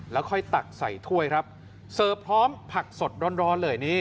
แล้วค่อยตักใส่ถ้วยครับเสิร์ฟพร้อมผักสดร้อนเลยนี่